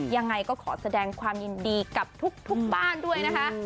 ยังไงก็ขอแสดงความยินดีกับทุกบ้านด้วยนะคะ